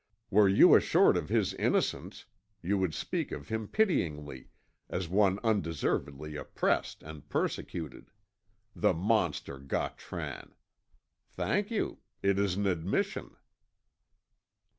Were you assured of his innocence, you would speak of him pityingly, as one undeservedly oppressed and persecuted. 'The monster Gautran!' Thank you. It is an admission."